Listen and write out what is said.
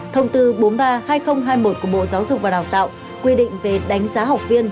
thông tư bốn mươi ba hai nghìn hai mươi một của bộ giáo dục và đào tạo quy định về đánh giá học viên